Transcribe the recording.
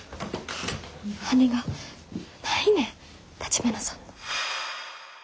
羽がないねん橘さんの。